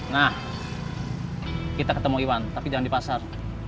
nah kita ketemu iwan tapi jangan d prasar